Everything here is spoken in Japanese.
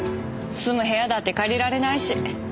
住む部屋だって借りられないし。